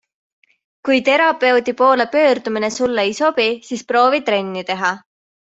Kui terapeudi poole pöördumine sulle ei sobi, siis proovi trenni teha.